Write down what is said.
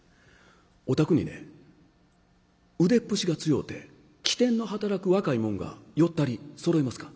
お宅にね腕っぷしが強うて機転の働く若い者が四人そろいますか？